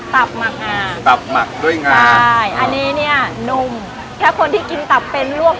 ตับหมักงาตับหมักด้วยงาใช่อันนี้เนี้ยนุ่มแค่คนที่กินตับเป็นลวก